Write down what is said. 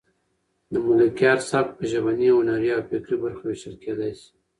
د ملکیار سبک په ژبني، هنري او فکري برخو وېشل کېدای شي.